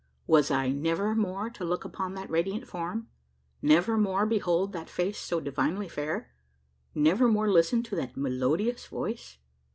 Was I never more to look upon that radiant form? never more behold that face so divinely fair? never more listen to that melodious voice?